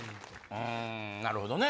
うんなるほどね。